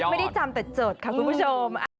ไม่ได้จำแต่จดค่ะคุณผู้ชม